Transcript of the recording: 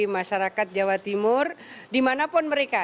masyarakat jawa timur dimanapun mereka